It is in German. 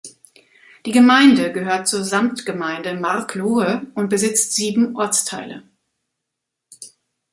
Die Gemeinde gehört zur Samtgemeinde Marklohe und besitzt sieben Ortsteile.